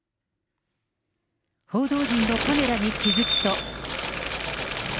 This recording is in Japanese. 報道陣のカメラに気付くと。